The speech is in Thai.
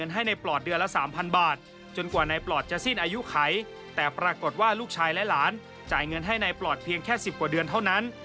แต่ปรากฏว่าลูกชายและหลานจ่ายเงินให้นายปลอดเพียงแค่สิบกว่าเดือนเท่านั้น